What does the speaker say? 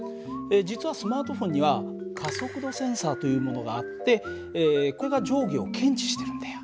実はスマートフォンには加速度センサーというものがあってこれが上下を検知してるんだよ。